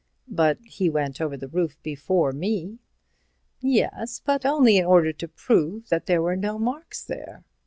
"But he went over the roof before me." "Yes, but only in order to prove that there were no marks there.